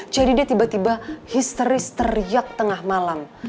jadi dia tiba tiba histeris teriak tengah malam